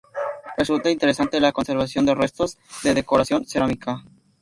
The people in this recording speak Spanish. Resulta interesante la conservación de restos de decoración cerámica.